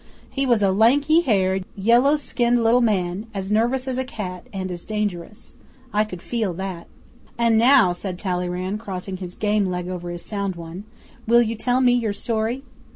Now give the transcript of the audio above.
He was a lanky haired, yellow skinned little man, as nervous as a cat and as dangerous. I could feel that. '"And now," said Talleyrand, crossing his game leg over his sound one, "will you tell me your story?"